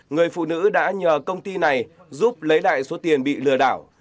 người phụ nữ đã nhờ công ty này giúp lấy lại số tiền bị lừa đảo